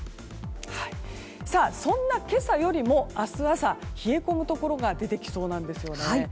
そんな今朝よりも明日朝、冷え込むところが出てきそうなんです。